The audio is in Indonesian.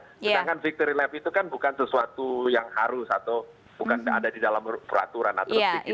sedangkan victory lap itu kan bukan sesuatu yang harus atau bukan ada di dalam peraturan atau itu kan dilakukan secara berat